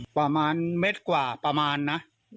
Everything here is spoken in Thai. ประมาณเม็ดกว่าประมาณนะ